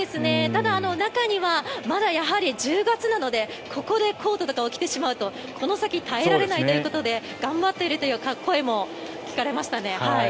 ただ、中にはまだやはり１０月なのでここでコートとかを着てしまうとこの先耐えられないということで頑張っているという声も聞かれましたね。